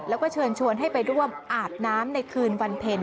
แล้วก็เชิญชวนให้ไปร่วมอาบน้ำในคืนวันเพ็ญ